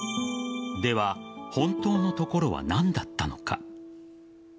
では本当のところは何だったのか。